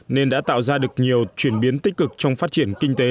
nên đã tạo ra được nhiều chuyển biến tích cực trong phát triển kinh tế